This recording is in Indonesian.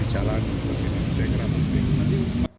jarak khusus itu juga tidak berjalan well jour jeans